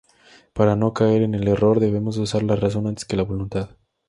Para no caer en el error, debemos usar la razón antes que la voluntad.